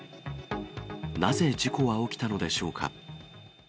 なぜ事故は起きたのでしょうか。